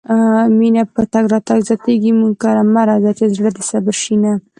مينه په تګ راتګ زياتيږي مونږ کره مه راځه چې زړه دې صبر شينه